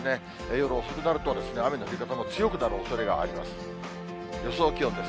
夜遅くなると、雨の降り方も強くなるおそれがあります。